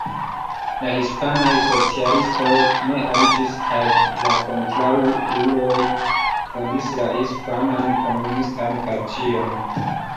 La hispanaj socialistoj ne aliĝis kaj la kontraŭuloj fondis la Hispanan Komunistan Partion.